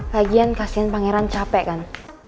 kajian kasian pangeran capek kan